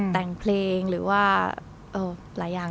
แต่งเพลงหรือว่าหลายอย่าง